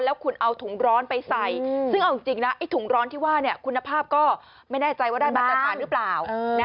แล้วคุณเอาถุงร้อนไปใส่ซึ่งเอาจริงนะไอ้ถุงร้อนที่ว่าคุณภาพก็ไม่แน่ใจว่าได้มาตรฐานหรือเปล่า